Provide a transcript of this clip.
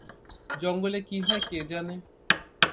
জঙ্গলে কি হয় কে জানে?